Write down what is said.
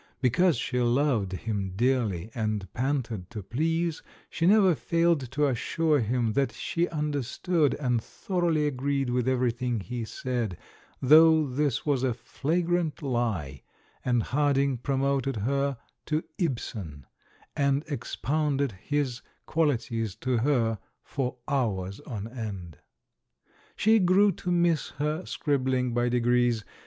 Because she loved him dearly and panted to please, she never failed to assure him that she understood, and thoroughly agreed with everything he said — though this was a flagrant lie — and Harding promoted her to Ibsen, and ex pounded his qualities to her for hours on end. She grew to miss her scribbling by degrees.